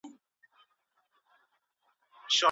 ناوړه دودونو د ځوانانو ودونه وځنډول.